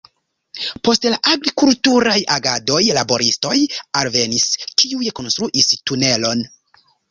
Post la agrikulturaj agadoj laboristoj alvenis, kiuj konstruis tunelon.